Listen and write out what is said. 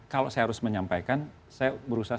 kalau saya harus menyampaikan saya berusaha